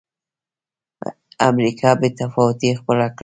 امریکا بې تفاوتي خپله کړه.